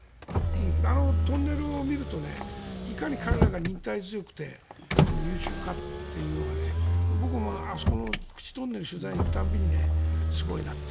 あのトンネルを見るといかに彼らが忍耐強くて優秀かという僕もあそこ、クチトンネルを取材に行く度にすごいなという。